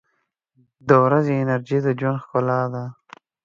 • د ورځې انرژي د ژوند ښکلا ده.